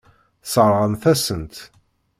Tesseṛɣemt-asen-tt.